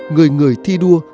người người thi đua